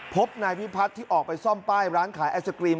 พบนายพิพัฒน์ที่ออกไปซ่อมป้ายร้านขายไอศกรีม